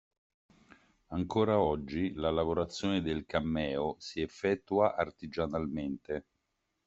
Ancora oggi la lavorazione del cammeo si effettua artigianalmente.